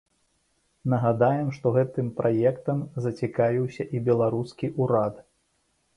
Нагадаем, што гэтым праектам зацікавіўся і беларускі ўрад.